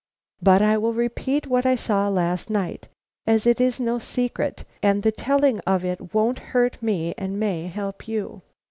"But I will repeat what I saw last night, as it is no secret, and the telling of it won't hurt me and may help you."